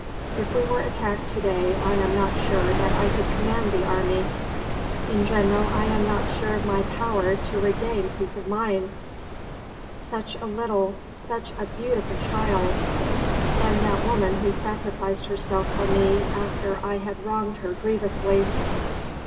"If we were attacked to day I am not sure that I could command the army. In general I am not sure of my power to regain peace of mind. "Such a little such a beautiful child! And that woman who sacrificed herself for me after I had wronged her grievously.